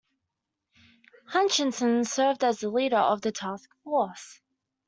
Hutchinson served as the leader of the task force.